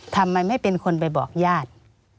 ทำไมไม่เป็นคนไปบอกญาติ